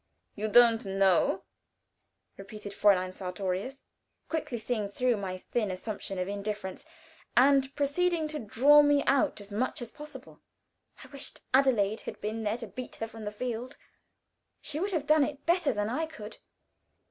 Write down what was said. "You don't know," repeated Fräulein Sartorius, quickly seeing through my thin assumption of indifference, and proceeding to draw me out as much as possible. I wished Adelaide had been there to beat her from the field. She would have done it better than I could.